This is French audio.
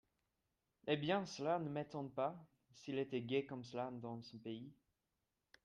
Eh bien, cela ne m'étonne pas, s'il était gai comme cela dans son pays.